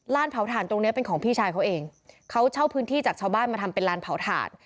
เผาถ่านตรงเนี้ยเป็นของพี่ชายเขาเองเขาเช่าพื้นที่จากชาวบ้านมาทำเป็นลานเผาถ่าน